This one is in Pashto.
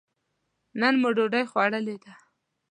نن مو ډوډۍ خوړلې ده.